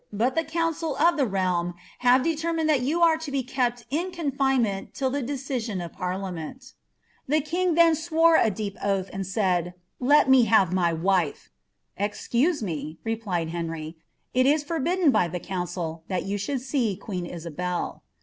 but die council of the realm liave licKrrnuncd ihn Siu are to be kept in condnenient tilt the decision of parliainem." The ng then swore a deep oath, and said, " I*ct nie hive my wife,'' "Ex cuse me," replied Henry ;^' it is forhiilden by the cuaocil that jitt ahoiild see queen Isabel."